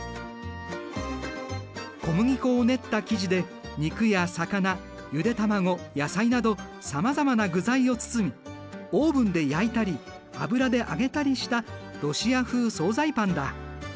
小麦粉を練った生地で肉や魚ゆで卵野菜などさまざまな具材を包みオーブンで焼いたり油で揚げたりしたロシア風総菜パンだ。